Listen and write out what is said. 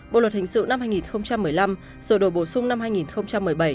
bộ luật hình sự năm hai nghìn một mươi năm sửa đổi bổ sung năm hai nghìn một mươi bảy